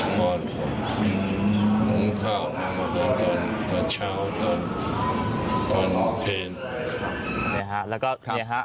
อืมมันข้าวทำวัดนั้นตอนตอนเช้าตอนตอนเพลงครับแล้วก็เนี่ยฮะ